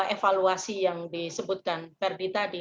evaluasi yang disebutkan ferdi tadi